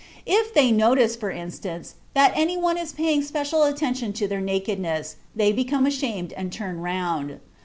If they notice, for instance, that any one is paying special attention to their nakedness, they become ashamed and turn round."